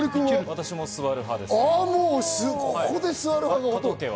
私も座る派です。